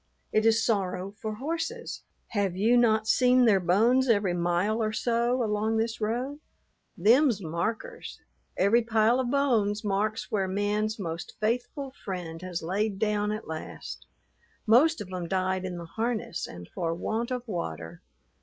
It is sorrow for horses. Have you not seen their bones every mile or so along this road? Them's markers. Every pile of bones marks where man's most faithful friend has laid down at last: most of 'em died in the harness and for want of water.